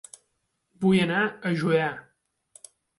Vull anar a Juià